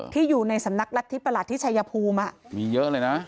ที่อยู่ในสำนักรัฐธิประหลัดที่ชายภูมิมีเยอะเลยนะ